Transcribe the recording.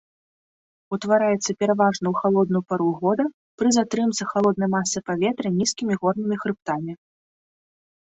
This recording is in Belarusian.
Ўтвараецца пераважна ў халодную пару года пры затрымцы халоднай масы паветра нізкімі горнымі хрыбтамі.